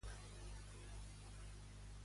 De què culpen a Ryanair amb això?